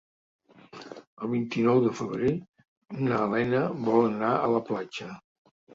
El vint-i-nou de febrer na Lena vol anar a la platja.